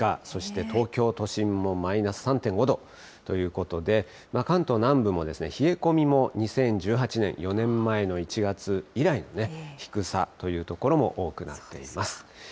そして東京都心もマイナス３．５度ということで、関東南部も冷え込みも２０１８年、４年前の１月以来のね、低さという所も多くなっています。